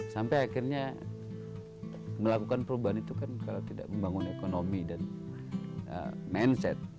sampai akhirnya melakukan perubahan itu kan kalau tidak membangun ekonomi dan mindset